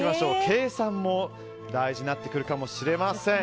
計算も大事になってくるかもしれません。